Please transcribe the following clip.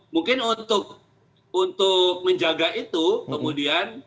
mungkin untuk menjaga itu kemudian